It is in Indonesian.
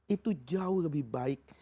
itu jauh lebih baik